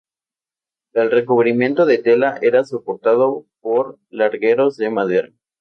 El recubrimiento de tela era soportado por largueros de madera.